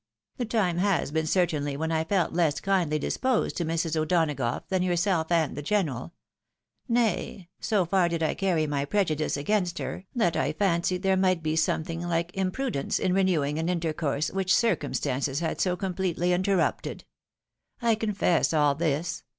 " The time has been certainly when I felt less kindly disposed to Mrs. O'Donagough than yourself and the general : nay, so far did I carry my prejudice against her, that I fancied there might be sometliing hke imprudence in renewing an intercourse which circumstances had so completely interrupted. I confess all this.